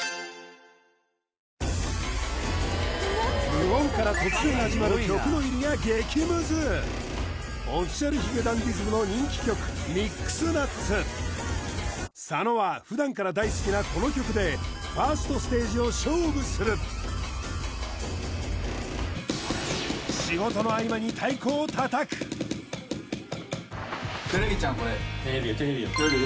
無音から突然始まる曲の入りが激ムズＯｆｆｉｃｉａｌ髭男ｄｉｓｍの人気曲佐野は普段から大好きなこの曲で１ｓｔステージを勝負するを叩くテレビよテレビよテレビ？